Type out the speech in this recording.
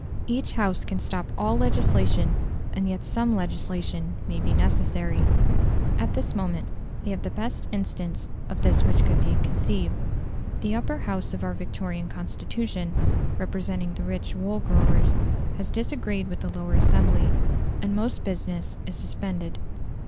Each House can stop all legislation, and yet some legislation may be necessary. At this moment we have the best instance of this which could be conceived. The Upper House of our Victorian Constitution, representing the rich wool growers, has disagreed with the Lower Assembly, and most business is suspended.